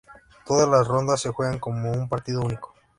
Todas las rondas se juegan como un partido único.